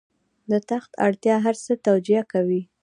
د تخت اړتیا هر څه توجیه کوي.